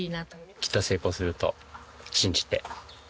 きっと成功すると信じてはい。